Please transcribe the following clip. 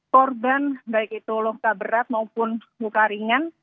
korban baik itu luka berat maupun luka ringan